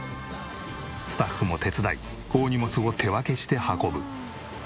スタッフも手伝い大荷物を手分けして運ぶ。